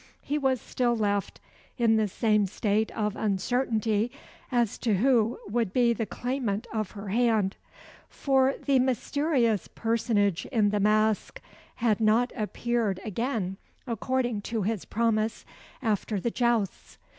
He was still left in the same state of uncertainty as to who would be the claimant of her hand; for the mysterious personage in the mask had not appeared again, according to his promise, after the jousts.